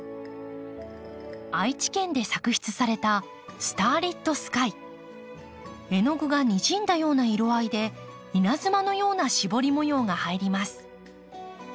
愛知県で作出された絵の具がにじんだような色合いで稲妻のような絞り模様が入ります。